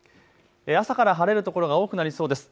朝から晴れる所が多くなりそうです。